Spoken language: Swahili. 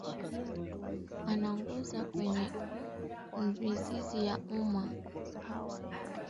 anaongoza kwenye mizizi ya umma yaani familiaNi yeye ndiye anayegawa daftari la familia